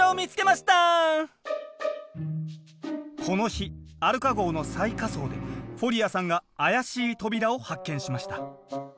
この日アルカ号の最下層でフォリアさんがあやしい扉を発見しました。